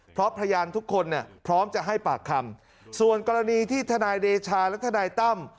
เพราะพยานทุกคนเนี่ยพร้อมจะให้ปากคำส่วนกรณีที่ทนายเดชาและทนายตั้ม